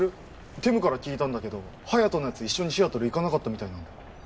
ティムから聞いたんだけど隼人のやつ一緒にシアトル行かなかったみたいなんだよ